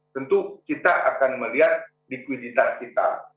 tentu kita akan melihat likuiditas kita